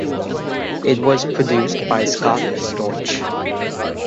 It was produced by Scott Storch.